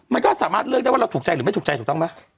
มันก็สามารถเลือกหรือไม่ถูกใจถูกต้องไหม